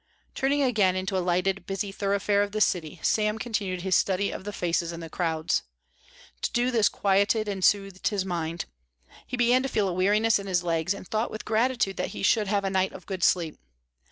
Turning again into a lighted busy thoroughfare of the city, Sam continued his study of the faces in the crowds. To do this quieted and soothed his mind. He began to feel a weariness in his legs and thought with gratitude that he should have a night of good sleep.